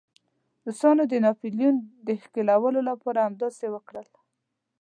روسانو د ناپلیون د ښکېلولو لپاره همداسې وکړل.